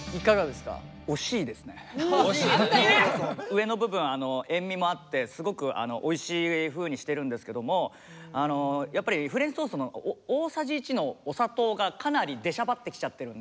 上の部分塩味もあってすごくおいしいふうにしてるんですけどもやっぱりフレンチトーストの大さじ１のお砂糖がかなり出しゃばってきちゃってるので。